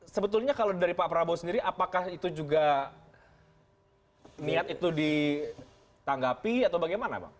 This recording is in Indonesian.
sebetulnya kalau dari pak prabowo sendiri apakah itu juga niat itu ditanggapi atau bagaimana bang